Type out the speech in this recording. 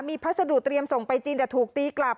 มีพัสดุเตรียมส่งไปจีนแต่ถูกตีกลับ